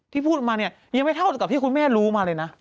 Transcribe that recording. พูดมาเนี่ยยังไม่เท่ากับที่คุณแม่รู้มาเลยนะ